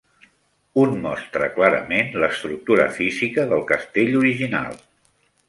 Un mostra clarament l'estructura física del castell original.